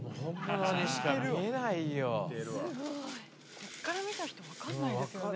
ここから見た人わかんないですよね。